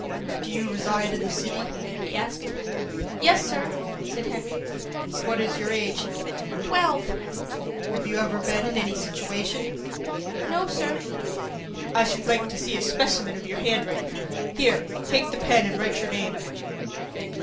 "Do you reside in the city?" he asked. "Yes, sir," said Henry. "What is your age?" "Twelve." "Have you ever been in any situation?" "No, sir." "I should like to see a specimen of your handwriting. Here, take the pen and write your name."